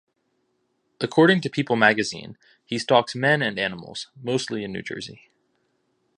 According to People magazine, He stalks men and animals, mostly in New Jersey.